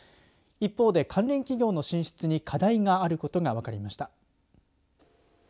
一方で関連企業の進出に課題があることが分かりました。